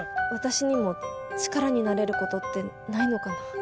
私にも力になれることってないのかな？